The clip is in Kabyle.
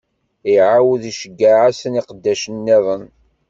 Iɛawed iceggeɛ-asen iqeddacen-nniḍen.